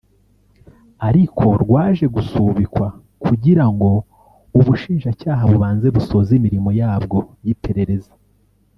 ariko rwaje gusubikwa kugira ngo Ubushinjacyaha bubanze busoze imirimo yabwo y’iperereza